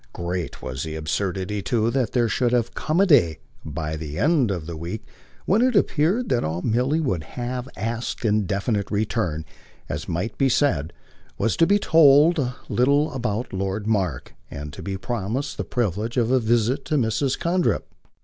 Great was the absurdity too that there should have come a day, by the end of the week, when it appeared that all Milly would have asked in definite "return," as might be said, was to be told a little about Lord Mark and to be promised the privilege of a visit to Mrs. Condrip.